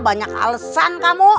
banyak alesan kamu